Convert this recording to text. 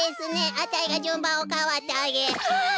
あたいがじゅんばんをかわってあげハッ！